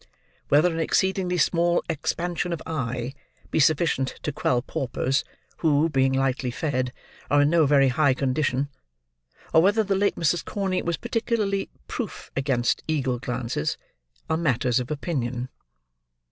Whether an exceedingly small expansion of eye be sufficient to quell paupers, who, being lightly fed, are in no very high condition; or whether the late Mrs. Corney was particularly proof against eagle glances; are matters of opinion.